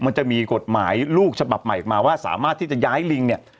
มันจะมีกฎหมายลูกฉบับใหม่ออกมาว่าสามารถที่จะย้ายลิงเนี่ย